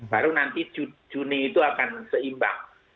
baru nanti juni itu akan seimbang